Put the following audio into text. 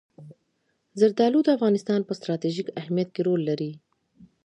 زردالو د افغانستان په ستراتیژیک اهمیت کې رول لري.